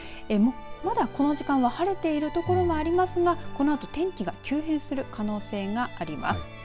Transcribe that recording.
まだこの時間は晴れている所がありますがこのあと天気が急変する可能性があります。